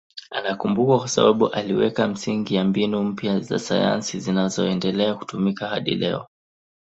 Anakumbukwa kwa sababu aliweka misingi ya mbinu mpya za sayansi zinazoendelea kutumika hadi leo.